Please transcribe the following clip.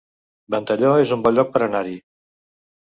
Ventalló es un bon lloc per anar-hi